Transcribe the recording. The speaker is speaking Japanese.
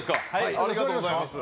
ありがとうございます。